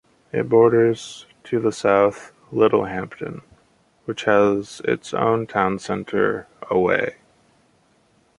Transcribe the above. It borders, to the south, Littlehampton, which has its town centre away.